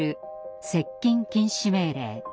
「接近禁止命令」。